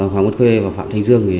hoàng văn khê và phạm thành dương